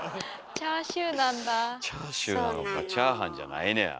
チャーシューなのかチャーハンじゃないねや。